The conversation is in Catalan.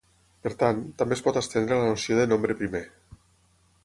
Per tant, també es pot estendre la noció de nombre primer.